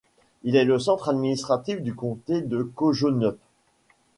Il est le centre administratif du comté de Kojonup.